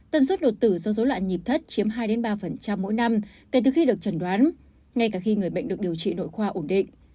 tần suất đột tử do dối loạn nhịp thất chiếm hai ba mỗi năm kể từ khi được trần đoán ngay cả khi người bệnh được điều trị nội khoa ổn định